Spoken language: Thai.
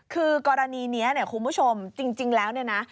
คือกรณีนี้เนี่ยคุณผู้ชมจริงแล้วเนี่ยนะ